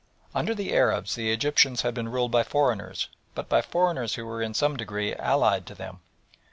Under the Arabs the Egyptians had been ruled by foreigners, but by foreigners who were in some degree allied to them.